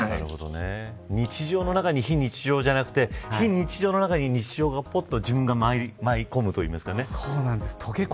日常の中に非日常じゃなくて非日常の中に日常がぽっと自分が舞い込むと言うんですかね。